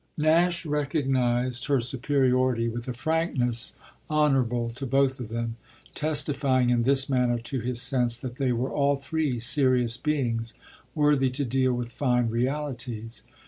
Nash recognised her superiority with a frankness honourable to both of them testifying in this manner to his sense that they were all three serious beings, worthy to deal with fine realities.